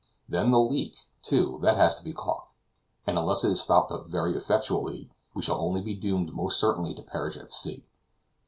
Then the leak, too, that has to be caulked; and, unless it is stopped up very effectually, we shall only be doomed most certainly to perish at sea.